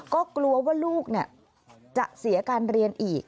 ก็กลัวว่าลูกจะเสียการเรียนอีก